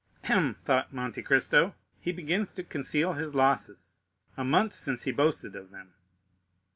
"Hem," thought Monte Cristo, "he begins to conceal his losses; a month since he boasted of them."